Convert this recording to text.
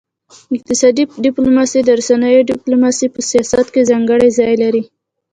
اقتصادي ډيپلوماسي او د رسنيو ډيپلوماسي په سیاست کي ځانګړی ځای لري.